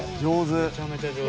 めちゃめちゃ上手。